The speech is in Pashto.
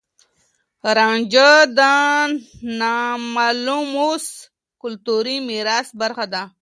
رانجه د ناملموس کلتوري ميراث برخه ده.